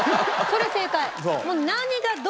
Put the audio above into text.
それ正解。